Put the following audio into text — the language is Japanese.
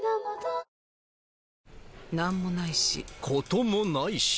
なんもないしこともないし！